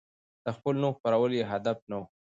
د خپل نوم خپرول يې هدف نه و.